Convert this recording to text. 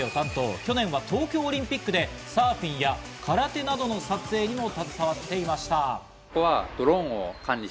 去年は東京オリンピックでサーフィンや空手などの撮影にも携わっていました。